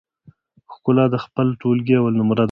ښکلا د خپل ټولګي اول نمره ده